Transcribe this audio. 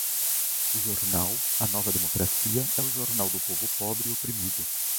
O jornal a nova democracia é o jornal do povo pobre e oprimido